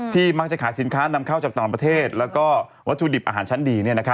มักจะขายสินค้านำเข้าจากต่างประเทศแล้วก็วัตถุดิบอาหารชั้นดี